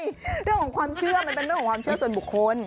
เรื่องของความเชื่อมันเป็นเรื่องของความเชื่อส่วนบุคคล